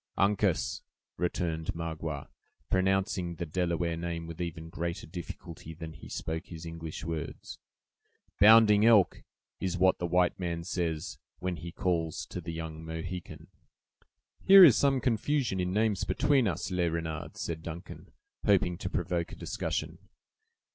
"Uncas," returned Magua, pronouncing the Delaware name with even greater difficulty than he spoke his English words. "'Bounding Elk' is what the white man says, when he calls to the young Mohican." "Here is some confusion in names between us, Le Renard," said Duncan, hoping to provoke a discussion.